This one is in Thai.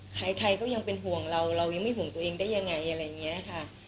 ใครก็ยังเป็นห่วงเราเรายังไม่ห่วงตัวเองได้ยังไงอะไรอย่างนี้ค่ะ